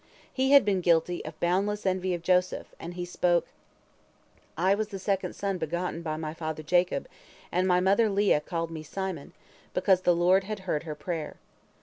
He had been guilty of boundless envy of Joseph, and he spoke: "I was the second son begotten by my father Jacob, and my mother Leah called me Simon, because the Lord had heard her prayer.